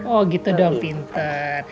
oh gitu dong pinter